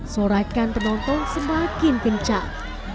sorakan penonton semakin kencang